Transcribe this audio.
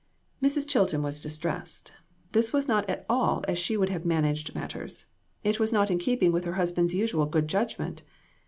Mrs. Chilton was distressed ; this was not at all as she would have managed matters ; it was not in keeping with her husband's usual good judgment.